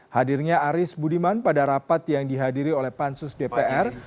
hadirnya aris budiman pada rapat yang dihadiri oleh pansus dpr